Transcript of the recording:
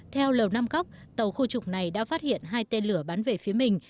theo lầu năm góc tàu khu trục này đã phát hiện hai tên lửa bắn về phía mình